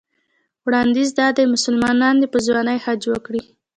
وړاندیز دا دی مسلمان دې په ځوانۍ حج وکړي.